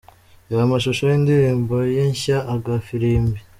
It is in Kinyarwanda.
Reba amashusho y'indirimbo ye nshya 'Agafirimbi'.